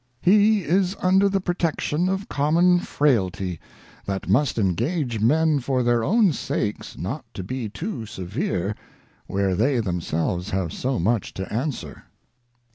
... He is under the Protection of common Frailty, that must engage Men for their own sakes not to be too severe, where they themselves have so much to answer.'